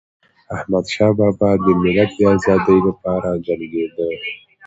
احمدشاه بابا د ملت د ازادی لپاره جنګيده.